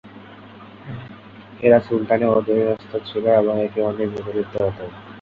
এরা সুলতানের অধীনস্থ ছিল এবং একে অন্যের বিরুদ্ধে লিপ্ত হত।